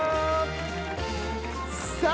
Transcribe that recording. さあ